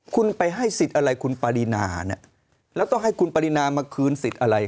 คุณไปให้สิทธิ์อะไรคุณปรินาเนี่ยแล้วต้องให้คุณปรินามาคืนสิทธิ์อะไร